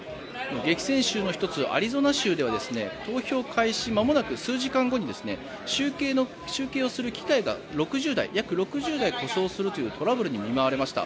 激戦州の１つ、アリゾナ州では投票開始まもなく数時間後に集計をする機械が約６０台故障するというトラブルに見舞われました。